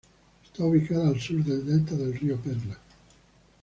Está ubicada al sur del Delta del Río Perla.